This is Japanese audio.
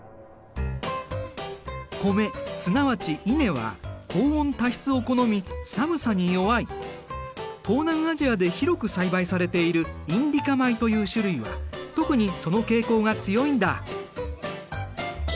米すなわち稲は東南アジアで広く栽培されているインディカ米という種類は特にその傾向が強いんだ。